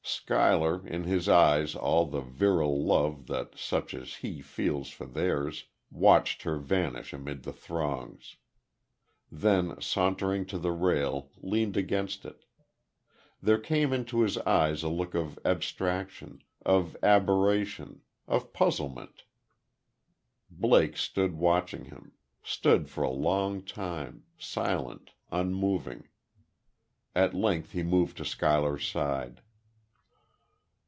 Schuyler, in his eyes all the virile love that such as he feel for theirs, watched her vanish amid the throngs. Then, sauntering to the rail, leaned against it.... There came into his eyes a look of abstraction, of aberration, of puzzlement. Blake stood watching him stood for a long time, silent, unmoving.... At length he moved to Schuyler's side.